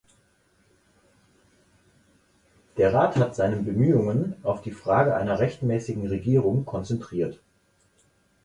Der Rat hat seine Bemühungen auf die Frage einer rechtmäßigen Regierung konzentriert.